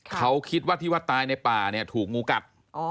เขาคิดว่าที่วัดตายในป่าถูกงูกัด